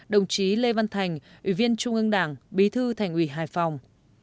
ba mươi bảy đồng chí lê văn thành ủy viên trung ương đảng bí thư thành ủy hải phòng